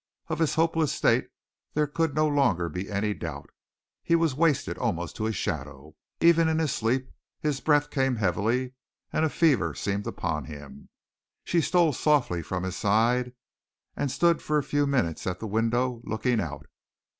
Of his hopeless state there could no longer be any doubt. He was wasted almost to a shadow. Even in sleep his breath came heavily, and a fever seemed upon him. She stole softly from his side, and stood for a few minutes at the window, looking out.